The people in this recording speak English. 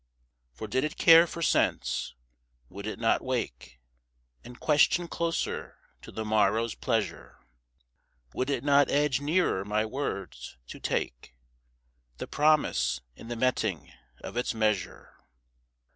For did it care for sense, would it not wake And question closer to the morrow's pleasure? Would it not edge nearer my words, to take The promise in the meting of its measure?